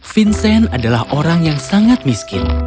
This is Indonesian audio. vincent adalah orang yang sangat miskin